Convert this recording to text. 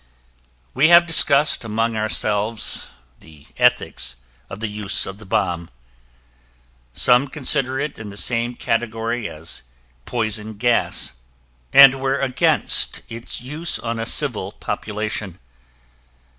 We have discussed among ourselves the ethics of the use of the bomb. Some consider it in the same category as poison gas and were against its use on a civil population.